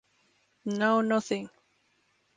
No nothing.